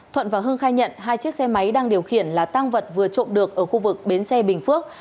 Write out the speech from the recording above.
thuận và hưng khai nhận hai chiếc xe máy đang điều khiển là tăng vật vừa trộm được ở khu vực bến xe bình phước